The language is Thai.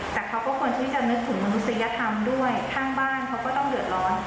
แต่เขาก็ควรที่จะนึกถึงมนุษยธรรมด้วยข้างบ้านเขาก็ต้องเดือดร้อน